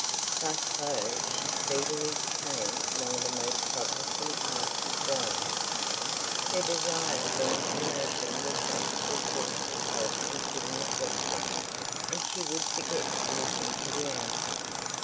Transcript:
Thus though she speedily became one of the most troublesome askers why, her desire for information was apt to exhaust itself in putting the question, and she would forget to listen to the answer.